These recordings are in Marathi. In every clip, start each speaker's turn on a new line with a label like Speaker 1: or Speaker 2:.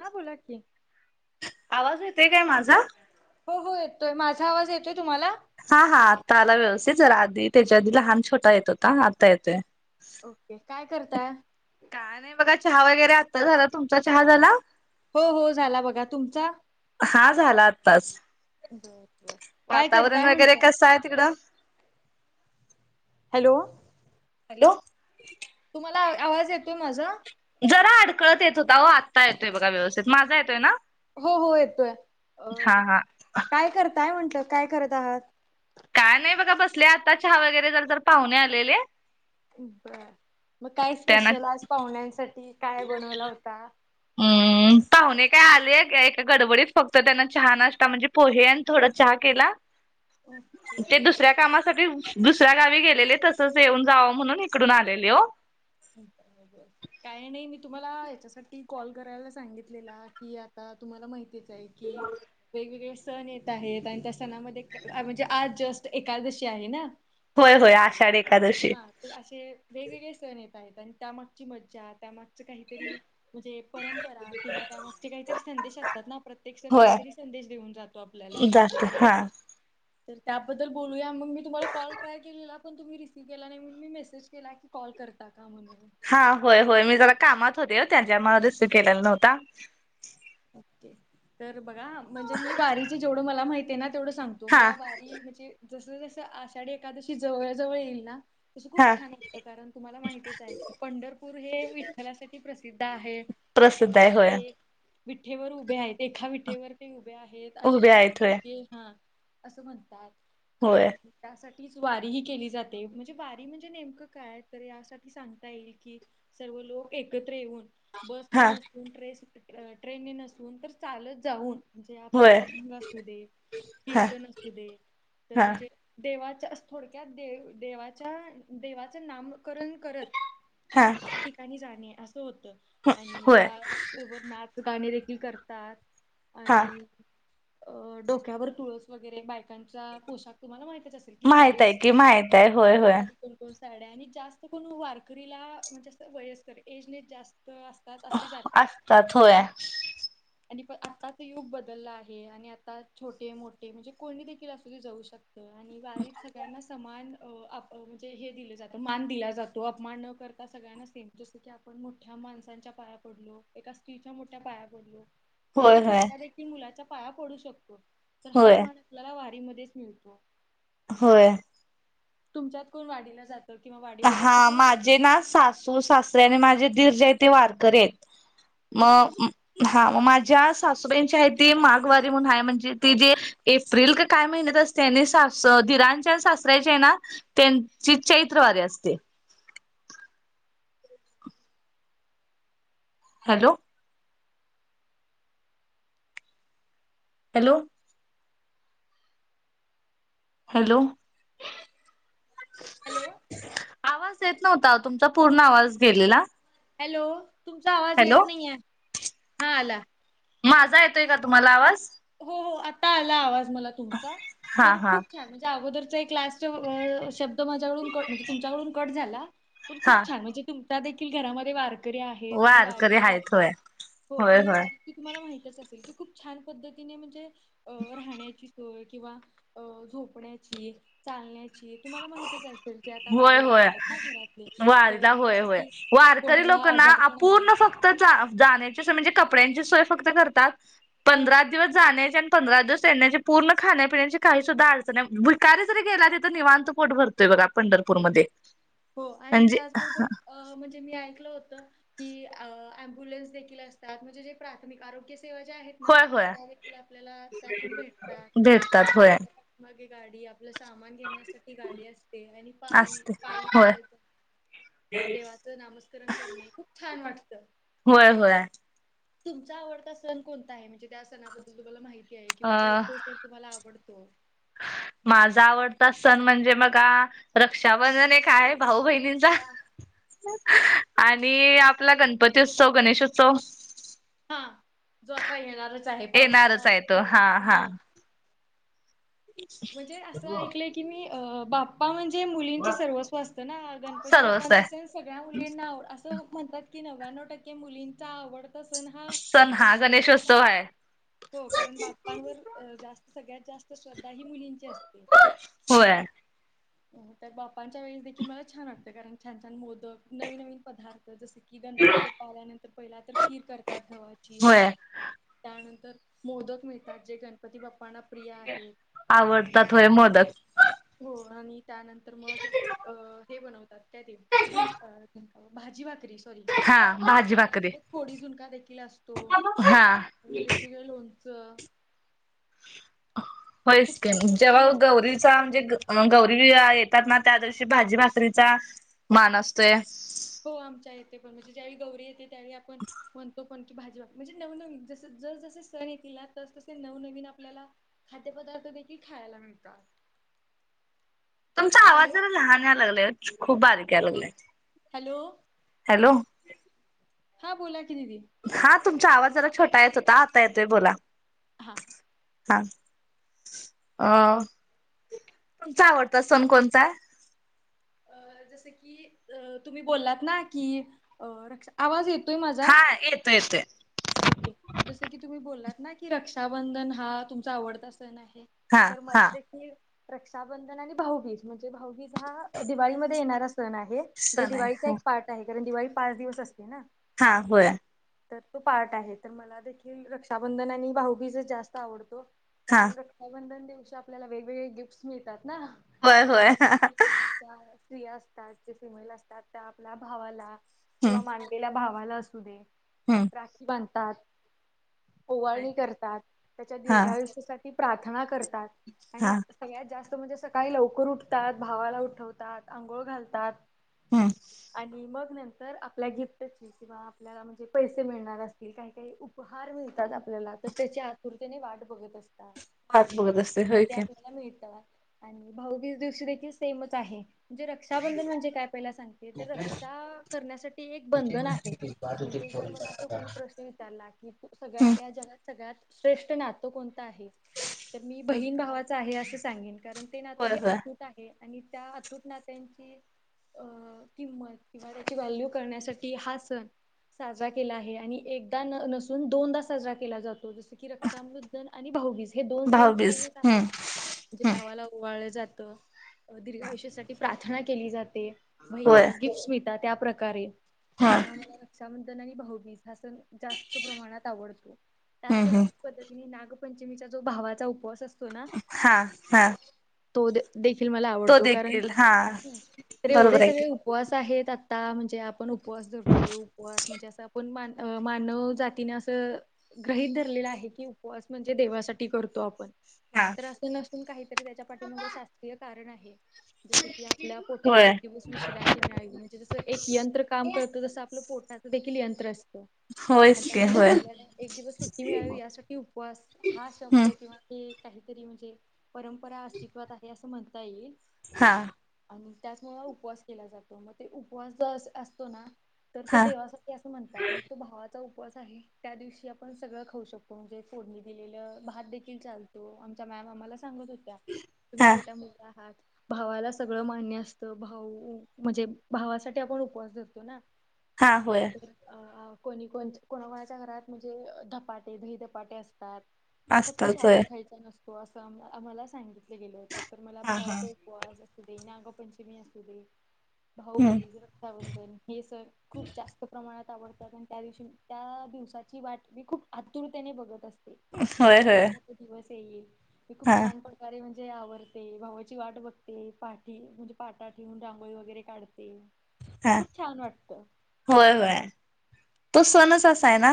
Speaker 1: हा बोला की.
Speaker 2: आवाज येतोय का माझा.
Speaker 1: हो हो येतोय माझा आवाज येतोय तुम्हाला.
Speaker 2: हा हा आता आला व्यवस्थित जरा आधी त्याच्या लहान छोटा येत होता आत्ता येतोय.
Speaker 1: ओके काय करताय.
Speaker 2: काय नाय बघा, चहा वगैरे आता झाला, तुमचा चहा झाला?
Speaker 1: हो हो झाला बघा तुमचा.
Speaker 2: हा झाला आत्ताच
Speaker 1: बर बर. काय
Speaker 2: वातावरण
Speaker 1: करताय
Speaker 2: वगैरे
Speaker 1: म्हटलं?
Speaker 2: कसं ए तिकडं.
Speaker 1: हॅलो.
Speaker 2: हॅलो.
Speaker 1: तुम्हाला अ आवाज येतोय माझा.
Speaker 2: जरा अडखळत येत होता आत. आता घेतोय बघा व्यवस्थित माझा येतोय ना
Speaker 1: हो हो येतोय. अ
Speaker 2: हा हा.
Speaker 1: काय करताय म्हटलं काय करत आहात.
Speaker 2: काय नाय बघा बसलोय आत्ताच चहा वगैरे झाला तर पाहुणे आले रे.
Speaker 1: बरं मग काय
Speaker 2: त्यांना
Speaker 1: स्पेशल आज पाहुण्यांसाठी काय बनवला होता.
Speaker 2: हम्. पाहुणे काय आलेत एका गडबडीत फक्त त्यांना चहा नाशता म्हणजे पोहे आणि थोडा चहा केला.
Speaker 1: ओके
Speaker 2: ते दुसऱ्या कामास सगळी दुसऱ्या गावी गेलेले तसच येऊन जावं म्हणून इकडून आलेले ओ.
Speaker 1: रोर काय नाही मी तुम्हाला याच्यासाठी कॉल करायला सांगितलेला की आत आता तुम्हाला माहितीच आहे की वेगवेगळे. सण येत आहेत, आणि त्या सणामध्ये म्हणजे आज जस्ट एकादशी आहे ना.
Speaker 2: होय.. होय.. आषाढ एकादशी
Speaker 1: अशे... वेगवेगळे सण येत आहेत आणि त्यामागची माजा त्यामागचं काहीतरी म्हणजे परंपरा किंवा त्यामागचे काहीतरी संदेश असतात ना प्रत्येक जण
Speaker 2: होय.
Speaker 1: काहीतरी संदेश देऊन जाता. तो आपल्याला
Speaker 2: जात हा.
Speaker 1: तर त्याबद्दल बोलूया मग मी तुम्हाला कॉल ट्राय केलेला पण तुम्ही रिसीव्ह केला नाही म्हण मी मेसेज केला की कॉल करते. टाका म्हणून
Speaker 2: हा होय होय मी जरा कामात होते त्यांच्या मना रस्यू केलेला नव्हता.
Speaker 1: ओके तर बघा म्हणजे मी बारीचे जेवढं मला माहिती आहे ना तेवढं सांगतो. तो
Speaker 2: हा
Speaker 1: मला बारी म्हणजे जस जस आषाढी एखादशी जवळ जवळ येईल ना. तसं
Speaker 2: हा
Speaker 1: खूप छान ऐतं कारण तुम्हाला माहितीच आहे, की पंढरपूर हे विठ्ठलासाठी प्रसिद्ध आहे.
Speaker 2: प्रसिद्धाय होय.
Speaker 1: विठेवर उभे आहेत एका विठेवर ते उभे आहेत
Speaker 2: उभे
Speaker 1: अठ्ठावीस
Speaker 2: आहेत होय
Speaker 1: युगे हा असं म्हणतात
Speaker 2: होय
Speaker 1: आणि त्यासाठीच वारी ही केली जाते म्हणजे वारी म्हणजे नेमकं काय तर यासाठी सांगता येईल. कि.. सर्व लोक एकत्र येऊन. बसने
Speaker 2: हा
Speaker 1: नसून ट्रेस ट्रेनने नसून तर चालत जाऊ. जे आपला
Speaker 2: होय
Speaker 1: अभंग असू दे
Speaker 2: हा
Speaker 1: कीर्तन असू दे तर ते
Speaker 2: हा
Speaker 1: म्हणजे देवाच्या अह.. थोडक्यात देव.. देवाच्या.. देवाचं नामकरण करत.
Speaker 2: हा.
Speaker 1: त्या ठिकाणी जाणे असं होत, आणि
Speaker 2: होय
Speaker 1: त्या.. वर नाग गाणी देखील करतात,
Speaker 2: हा
Speaker 1: आणि अ... डोक्यावर तुळस वगैरे बायकांच्या पोशाख तुम्हाला माहितच असतो.
Speaker 2: माहित आहे की... माहित आहे... होय.. होय.
Speaker 1: कोणकोण साड्या आणि जास्त कोण वारकरीला म्हणजे जास्त वयस्कर एजने जास्त अस. त्यात अशी जातात.
Speaker 2: त्यात होय.
Speaker 1: पण आणि आत्ताच युग बदलला आहे आणि आता छोटे- मोठे म्हणजे कोणी देखील असू दे जाऊ शकत आणि वारीत सगळ्यांना समान अ.. अप म्हणजे हे दिले जात, मान दिला जातो अपमान न करता सगळ्यांना सेम जस आपण मोठ्या माणसांच्या पाया पडलो, एक असतं ना स्री च्या मोठ्या पाया पडलो तर
Speaker 2: होय
Speaker 1: आपण
Speaker 2: होय
Speaker 1: छोट्या देखील मुलाचा पाया पडू शकतो. तर हा
Speaker 2: होय
Speaker 1: मान आपल्याला वारीमध्येच मिळतो.
Speaker 2: होय.
Speaker 1: तुमच्यातकोण वारीला जात. तर किंवा वाड
Speaker 2: हा... माझे ना सासू- सासरे आणि माझे दीर जे आहे ते वारकरी आहेत.
Speaker 1: ओके.
Speaker 2: मग हा माज्या सासूबाईंची आहे ती माघवारी म्हणून आहे म्हणजे ती जी एप्रिल का काय महिन्यात असतेने सास धीराणच्या सासरा्याचे आहे ना त्यांची चैत्य चैत्र वारी असते. हॅलो. हॅलो. हॅलो.
Speaker 1: हॅलो.
Speaker 2: आवाज येत नव्हता तुमचा पूर्ण आवाज गेलेला.
Speaker 1: हॅलो तुमचा आवाज
Speaker 2: हॅलो
Speaker 1: येत नाही आहे हां आला.
Speaker 2: माझा येतोय का तुम्हाला आवाज?
Speaker 1: हो हो आता आला आवाज मला तुमचा
Speaker 2: हा
Speaker 1: तर
Speaker 2: हा
Speaker 1: खूप छान आहे. अगोदरचा एक लास्ट शब्द माझ्याकडून क म्हणजे तुमच्याकडून कट झाला. खूप
Speaker 2: हा
Speaker 1: खूप छान, म्हणजे तुमच्यादेखील घरामध्ये वार कडे आहेत आणि
Speaker 2: वारकरी
Speaker 1: वारीला
Speaker 2: आहेत
Speaker 1: जातात.
Speaker 2: होय होय
Speaker 1: होआणि
Speaker 2: होय
Speaker 1: वारी ती तुम्हाला माहितच असेल की, खूप छान पद्धतीने म्हणजे अ राहण्याची सोय किंवा अ झोपण्याची चालण्याची. तुम्हाला माहतीच असेल की आता
Speaker 2: होय
Speaker 1: वारीला
Speaker 2: होय
Speaker 1: जातात ना घरातले तर
Speaker 2: वारीला होय
Speaker 1: जस
Speaker 2: होय
Speaker 1: की.
Speaker 2: वारकरी
Speaker 1: कोणाला
Speaker 2: लोकांना
Speaker 1: आजार पण आलं
Speaker 2: अूर्ण फक्त. ते जा जाण्याची सोय म्हणजे कपड्यांची सोय फक्त करतात.
Speaker 1: हा
Speaker 2: पंधरा दिवस जाण्याची आणि पंधरा दिवस येण्याची पूर्ण खाण्यापिण्याची काही सुद्धा अडचण आहे भिकारी जरी गेला तिथ निवां. पोट भरतोय बघा पंढरपूरमध्ये.
Speaker 1: हो आणि
Speaker 2: म्हणजे
Speaker 1: त्याचबरोबर म्हणजे मी ऐकलं होतं अबुलन्स दे असतात म्हणजे जे प्राथमिक आरोग्य सेवा जे आहेत.
Speaker 2: होय होय
Speaker 1: डायरेक्ट आपल्याला भेटतात
Speaker 2: भेटतात होय
Speaker 1: आपल्यागे. आपलं सामान घेण्यासाठी गाडी असते आणि पाही
Speaker 2: असते
Speaker 1: पाही
Speaker 2: होय
Speaker 1: चालत. देवाचं नामस्करण करणे, खूप छान वाटतं.
Speaker 2: होय होळ.
Speaker 1: तुमचा आवडता सण कोणता आहे? त्या सणाबद्दल तुम्हाला माहिती आहे किंवा ते
Speaker 2: अ
Speaker 1: तो सण तुम्हाला आवडतो.
Speaker 2: माझा आवडता सण म्हणजे बघा, रक्षाबंधन एक आहे. भाऊ बहिण चा आणि गणपती उत्सव गणेशोत्सव.
Speaker 1: हा जो आता येणारच आहे, पावसाच्या
Speaker 2: येणारच
Speaker 1: [unintelligible]
Speaker 2: आहे तो
Speaker 1: झाली
Speaker 2: हा
Speaker 1: की
Speaker 2: हा
Speaker 1: हो. म्हणजे असं ऐकलंय की मी अ बाप्पा म्हणजे मुलींचं सर्वस्व असतं ना. अ गण पती
Speaker 2: सर्वच आहे
Speaker 1: बाप्पांचं सण सगळ्या मुलींना आवड असं म्हणतात की, नव्याण्णव टक्के मुलींचा आवड ता सण हा
Speaker 2: सण हा
Speaker 1: गणेशोत्सवच
Speaker 2: गणेशोत्सव
Speaker 1: आहे हो कारण बाप्पांवर जास्त. सगळ्यात जास्त श्रद्धा ही मुलींची असते.
Speaker 2: होय.
Speaker 1: तर बापांच्या वेळेस देखील मला छान वाटतं. कारण छान छान मोदक, नवीन नवीन पदार्थ जसे की गणपती बाप्पा आल्यानंतर, पहिला तर खीर करतात गव्हाची.
Speaker 2: होय
Speaker 1: त्यानंतर मोदक मिळतात जे गणपती बाप्पांना प्रिय आहेत.
Speaker 2: आवडतात होय मोदक.
Speaker 1: हो आणि त्यानंतर मग अ हे बनवतात, काय ते झुल अ तेन. अ भाजी भाकरी. सॉरी
Speaker 2: हा भाजी
Speaker 1: आणि
Speaker 2: भाकरी
Speaker 1: त्यासोबत फोडीव झुणका देखील असतो
Speaker 2: हा
Speaker 1: आणि वेगवेगळं लोण चं.
Speaker 2: होयच
Speaker 1: खूप
Speaker 2: की
Speaker 1: छान
Speaker 2: मग.
Speaker 1: पद्धतीने
Speaker 2: जेव्हा
Speaker 1: असं
Speaker 2: गौरीचा
Speaker 1: कसं
Speaker 2: म्हणजे मग गौरी [unintelligible] येतात ना, त्या दिवशी भाजी भााकरीचा मान असतोय.
Speaker 1: हो आमच्या इथे पण. म्हणजे ज्याळी गौरी येते, त्यावेळी आपण म्हणतो कोणती भाजी म्हणजे नवनवीन जस जस जस सण येतील ना तस तसे नवनवीन आपल्याला. खाद्यपदार्थ देखील खायला मिळतात.
Speaker 2: तुमचा आवाज
Speaker 1: हॅलो
Speaker 2: जरा लहान यायला लागलाय खूप बारीक यायला लागला.
Speaker 1: हॅलो.
Speaker 2: हॅलो.
Speaker 1: हा बोला की दिदी.
Speaker 2: हा तुमचा आवाज जरा छोटा येत होता आता येतोय बोला.
Speaker 1: हां हां.
Speaker 2: हा. अ तुमचा आवडता सण कोणता?
Speaker 1: अ जसं की अ तुम्ही बोललात ना की अ रक्षा आवाज येतोय माझा?
Speaker 2: हा येतोय येतोय
Speaker 1: ओके जसं की तुम्ही बोललात ना की रक्षाबंधन हा तुमचा आवडता सण आहे.
Speaker 2: हा
Speaker 1: तर मला
Speaker 2: हा
Speaker 1: देखील रक्षाबंधन आणि भाऊबीज म्हणजे भाऊबीज हा दिवाळीमध्ये येणारा सण आहे जे
Speaker 2: सण आहे
Speaker 1: दिवाळीचा एक पार्ट आहे कारण दिवाळी पाच दिवस असते ना.
Speaker 2: हां होय.
Speaker 1: तर तो पार्ट आहे तर मला देखील रक्षाबंधन आणि भाऊबीज जास्त आवडतो
Speaker 2: हा
Speaker 1: कारण रक् बंधन दिवशी आपल्याला वेगवेगळे गिफ्टस मिळतात ना
Speaker 2: होय होय
Speaker 1: कारण की
Speaker 2: हम्म
Speaker 1: हां त्या स्त्रिया असतात की फिमेल असतात त्या आपल्या भावाला किंवा माण् किंवा भावाला असू दे.
Speaker 2: हम्.
Speaker 1: राखी बांधतात
Speaker 2: होय
Speaker 1: ओवळणी
Speaker 2: की.
Speaker 1: करतात त्याच्या
Speaker 2: हा
Speaker 1: दीर्घायुष्यासाठी् ती प्रार्थना करतात
Speaker 2: हा
Speaker 1: आणि- सगळ्यात जास्त म्हणजे सकाळी लवकर उठतात भावाला उठवतात आंघोळ घालतात
Speaker 2: हम्म
Speaker 1: आणि मग नंतर आपल्या गिफ्टची किंवा आपल्याला म्हणजे पैसे मिळणार असतील काही काही उपहार मिळतात अपल्याला तर त्याच्या आतुरतेने वाट बघत अस् का?
Speaker 2: हात बघत असते होय की.
Speaker 1: त्याला मिळता. आणि भाऊवीज दिवशी देखील सेमच आहे म्हणजे रक्षाबंधन म्हणजे काय पईला सांग. हे तर रक्षा करण्यासाठी एक बंधन आहे.
Speaker 2: दादुचे.
Speaker 1: ते जर मला असं कोणी प्रश्न विचारलात् ऊं कू
Speaker 2: हम्म.
Speaker 1: सगळ्यात या जगात सगळ्यात श्रेष्ठ नातं कोणतं आहे? तर मी बहीण भावाचं आहे असं सांगेन कारण ते नात
Speaker 2: होय
Speaker 1: हे
Speaker 2: होय
Speaker 1: अतूट आहे आणि त्या अतुट नात्यांची अ किंमत किंवा त्याची व्हॅल्यू करण्यासाठी हा सण साजरा केला आहे आणि एकदा नसून दोनदा साजरा केला जातो जस की रक्षाबंधन आणि भाऊवीीज हे दोन सेन
Speaker 2: भाऊबीज
Speaker 1: सेमच
Speaker 2: हम्म
Speaker 1: आहेत म्हणजे
Speaker 2: हम्म
Speaker 1: भावाला ओवाळलं जातं अं दीर्घायुष्यासाठी प्रार्थना केली जाते
Speaker 2: होय.
Speaker 1: बहिणीला गिफ्टस मिळतात त्या प्रकारे
Speaker 2: हा
Speaker 1: त्यामुळे मला रक्षाबंधन आणि भाऊबीज हा सण जास्त प्रमाणात आवडतो त्याच
Speaker 2: हम्म
Speaker 1: पण्
Speaker 2: हम्म
Speaker 1: पद्धतीने की, नय नागपंचमीचा जो भावाचा उपवास असतो. ना
Speaker 2: हा हा.
Speaker 1: तो देखील मला
Speaker 2: तो
Speaker 1: आवडतो कारण
Speaker 2: देखील हा
Speaker 1: तर एवढे
Speaker 2: बरोबर आहे की.
Speaker 1: सगळे उपवास आहेत आता म्हणजे आपण उपवास धरतो. असं म्हणजे असं आपण मान मानव जातीनं असं गृहीत धरलेलं आहे की उपवास म्हणजे देवासाठी करतो आपण
Speaker 2: हा
Speaker 1: तर असं नमून. काहीतरी त्याच्या पाठीमागं शास्त्रीय कारण आहे. जसं की आपल्या पोठाला
Speaker 2: होय
Speaker 1: एक दिवस विश्रांत् ळा म्हणजे जस एक यंत्र तसं आपलं पोटाचं देखील यंत्र असतं. अन्
Speaker 2: होयच की
Speaker 1: त्यामध्ये
Speaker 2: होय
Speaker 1: आपल्याला एक दिवस सुट्टी मिळावी यासाठी उपवास हा शब्द
Speaker 2: हम्म
Speaker 1: किंवा हे काहीतरी म्हणजे परंपरा अस्तित्वात आहे, असं म्हणता येईल.
Speaker 2: हा
Speaker 1: आणि त्याचमुळ उपवास केला जातो, मग ते उपवास जो अस असतो ना तर तो
Speaker 2: हा
Speaker 1: देवासाठी असं म्हणतात मग ते भावा चा उपवास आहे त्या दिवशी आपण सगळं खाऊ शकतो. म्हणजे फोडणी दिलेलं भात देखील चाल तो आमचा मॅम आम्हाला सांगत होत्या तुम्ही
Speaker 2: हा
Speaker 1: छोट्या मुली आहात. भावाला सगळं मान्य असतं, भाऊ म्हणजे भावासाठी आपण उपवास धरतो ना
Speaker 2: हां होय.
Speaker 1: अ कोणी कोणा कोणाच्या घरात धपाटे दहीधपाटे असतात. फक्त
Speaker 2: असताच होय
Speaker 1: शाबू खायचा नसतो असं आम्हाला सांगितलं गेलं होतं, तर मला
Speaker 2: हा हा
Speaker 1: भावाच उपवास असू दे नागपंचमी असू दे
Speaker 2: हम्म
Speaker 1: भाऊबीज रक्षाबंधन हे सणअसू दे रक्षाबंधन हे स- खूप जास्त प्रमाणात आवडतात आणि त्या दिवशी त्या दिवसाची वाट मी खूप आतुरतेने बघत असते. म्हणजे
Speaker 2: होय
Speaker 1: कधी
Speaker 2: होय
Speaker 1: एकदा तो दिवस येईल मी
Speaker 2: हा
Speaker 1: खूप छान प कारे म्हणजे आवरते, भावाची वाट बघते, पाठी म्हणजे पाठा ठेऊून रांगोळी वगैरे काढ
Speaker 2: [unintelligible]
Speaker 1: खूप छान वाटतं.
Speaker 2: होय होय तो सणच असा आहे ना,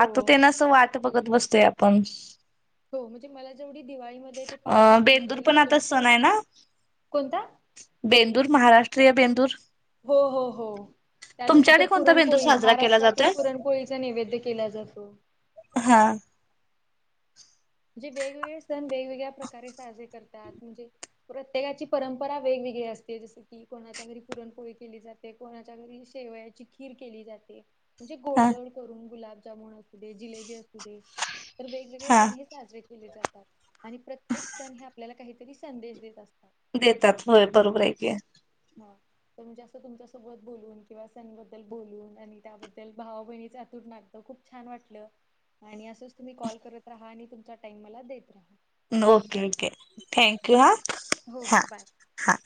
Speaker 2: आता ते नस च वाट बघत बसतोय आपण,
Speaker 1: हो म्हणजे मला जेवढी दिवाळीमध्ये ते
Speaker 2: अ
Speaker 1: पाच
Speaker 2: बेंदूर
Speaker 1: दिवसांमध्ये
Speaker 2: पण आता
Speaker 1: लक्ष्मी,
Speaker 2: सण आहे ना
Speaker 1: कोणता?
Speaker 2: बेंदूर महाराष्ट्रीय बेंदूर.
Speaker 1: हो हो हो. त्या दिवशी
Speaker 2: तुमच्याकडे
Speaker 1: तर
Speaker 2: कोणता बेंदूर
Speaker 1: पुरणपोळी
Speaker 2: साजरा केला
Speaker 1: महाराष्ट्रातील
Speaker 2: जातोय
Speaker 1: पुरणपोळीचा नैवेद्य केला जातो.
Speaker 2: हा
Speaker 1: जे वेगवेगळे सण वेगवेगळ्या प्रकारे साजरे करतात, म्हणजे प्रत्येकाची परंपरा वेगवेगळी असते जशी की ई कोणाच्या घरी पुरणपोळी केली जाते, कोणाच्या घरी शेवयाची खीर केली जाते. म्हणजे
Speaker 2: हा
Speaker 1: गोडधोड करून गुलाब जामून असू दे, जिलेबी असु दे, तर वेगवेगळे
Speaker 2: हा
Speaker 1: सण हे साजरे केले जातात. आणि प्रत्येक सण हे आपल्याला काहीतरी संदेश देत असतात.
Speaker 2: देतात होय बरोबर हाय की.
Speaker 1: हां कमी जास्त तुमच्या सोबत बोलून किंवा सणांबद्दल बोलून आणि त्याबद्दल भावा बहिणीचं अतूट नातं. तर खूप छान वाटलं, आणि असंच तुम्ही कॉल करत राहा आणि तुमचा टाइम मला देत राहा.
Speaker 2: ओके ओके, थँक्यू हा
Speaker 1: बाय. हो
Speaker 2: हा.
Speaker 1: हो बाय.
Speaker 2: हा